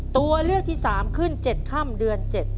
ตัวเลือกที่๓ขึ้น๗ค่ำเดือน๗